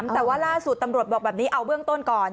แต่ว่าล่าสุดตำรวจบอกแบบนี้เอาเบื้องต้นก่อน